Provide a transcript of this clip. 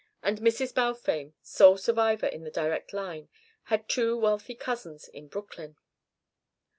And Mrs. Balfame, sole survivor in the direct line, had two wealthy cousins in Brooklyn.